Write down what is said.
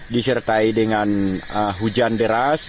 disertai dengan hujan beras